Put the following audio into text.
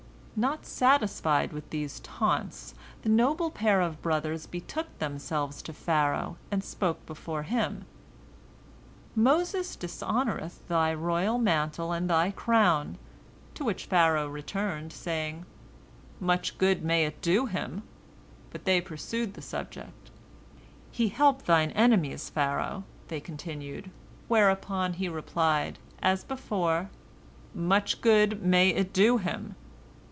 Not satisfied with these taunts, the noble pair of brothers betook themselves to Pharaoh, and spoke before him, "Moses dishonoreth thy royal mantle and thy crown," to which Pharaoh returned, saying, "Much good may it do him!" But they pursued the subject. "He helps thine enemies, Pharaoh," they continued, whereupon he replied, as before, "Much good may it do him!"